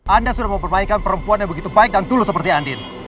anda sudah mempermainkan perempuan yang begitu baik dan tulus seperti andin